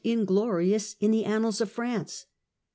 inglorious in the annals of France.